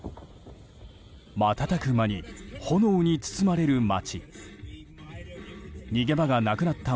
瞬く間に炎に包まれる街。